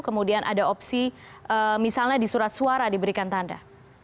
kemudian ada opsi misalnya di surat suara diberikan tanda